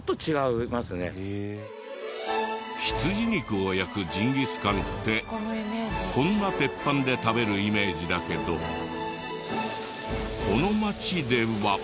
羊肉を焼くジンギスカンってこんな鉄板で食べるイメージだけどこの町では。